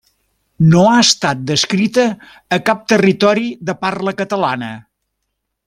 No ha estat descrita a cap territori de parla catalana.